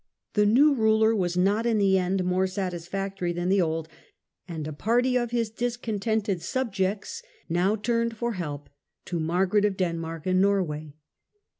The new ruler was not, in the end, more satisfactory than the old, and a party of his discontented subjects now turned for help to Margaret of Denmark and Norway.